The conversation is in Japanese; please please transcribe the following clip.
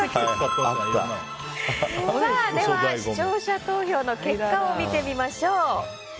では視聴者投票の結果を見てみましょう。